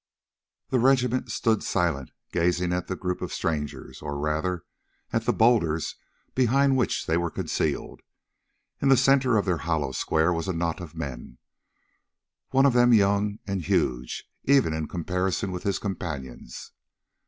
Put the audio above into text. The regiment stood silent, gazing at the group of strangers, or, rather, at the boulders behind which they were concealed. In the centre of their hollow square was a knot of men, one of them young, and huge even in comparison with his companions.